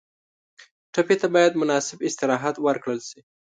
ټپي ته باید مناسب استراحت ورکړل شي.